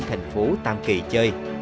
thành phố tam kỳ chơi